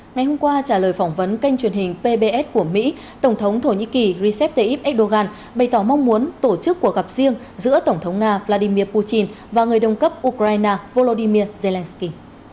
ngày hôm qua trả lời phỏng vấn kênh truyền hình pbs của mỹ tổng thống thổ nhĩ kỳ recep tayyip erdogan bày tỏ mong muốn tổ chức cuộc gặp riêng giữa tổng thống nga vladimir putin và người đồng cấp ukraine volodymyr zelensky